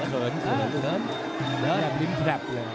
เผินเผินเผินเผิน